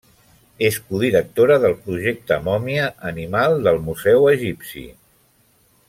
És codirectora del Projecte Mòmia animal del Museu Egipci.